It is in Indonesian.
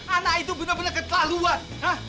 anak itu benar benar ketahuan